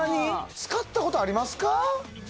使ったことありますか？